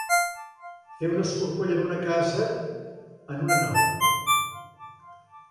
Fer un escorcoll en una casa, en una nau.